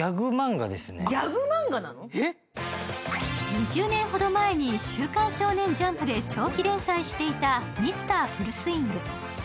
２０年ほど前に「週刊少年ジャンプ」で長期連載していた、「Ｍｒ．ＦＵＬＬＳＷＩＮＧ」。